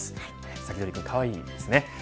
サキドリくん、かわいいですね。